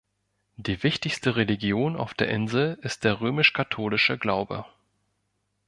Die wichtigste Religion auf der Insel ist der römisch-katholische Glaube.